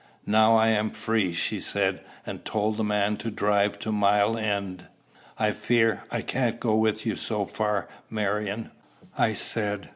"Now I am free!" she said, and told the man to drive to Mile End. "I fear I can't go with you so far, Marion," I said.